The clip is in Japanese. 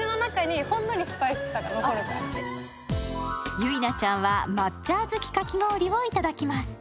ゆいなちゃんは抹茶あずきかき氷をいただきます。